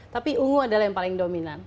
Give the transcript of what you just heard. tapi ungu adalah yang paling dominan